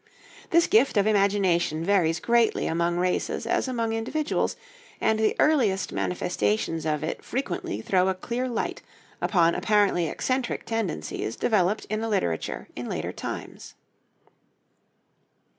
This gift of imagination varies greatly among races as among individuals, and the earliest manifestations of it frequently throw a clear light upon apparently eccentric tendencies developed in a literature in later times.